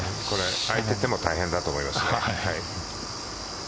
あいていても大変だと思います。